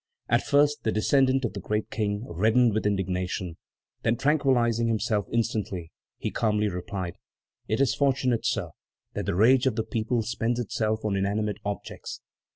At first the descendant of the great King reddened with indignation, then, tranquillizing himself instantly, he calmly replied: "It is fortunate, Sir, that the rage of the people spends itself on inanimate objects."